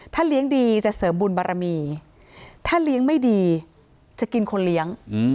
เลี้ยงดีจะเสริมบุญบารมีถ้าเลี้ยงไม่ดีจะกินคนเลี้ยง